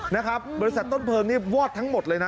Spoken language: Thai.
นะครับบริษัทต้นเพลิงนี่วอดทั้งหมดเลยนะ